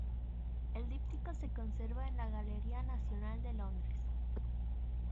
El díptico se conserva en la Galería Nacional de Londres.